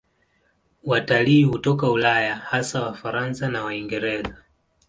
Watalii hutoka Ulaya, hasa Wafaransa na Waingereza.